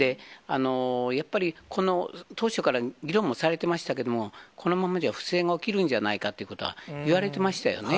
やっぱりこの当初から議論もされてましたけど、このままじゃ不正が起きるんじゃないかということはいわれてましたよね。